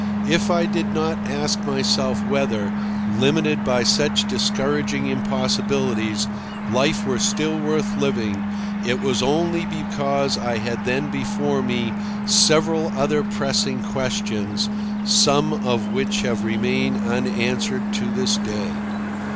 If I did not ask myself whether, limited by such discouraging impossibilities, life were still worth living, it was only because I had then before me several other pressing questions, some of which have remained unanswered to this day.